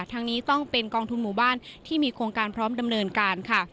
ทั้งนี้ต้องเป็นกองทุนหมู่บ้านที่มีโครงการพร้อมดำเนินการค่ะ